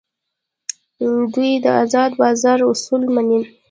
دوی د ازاد بازار اصول مني.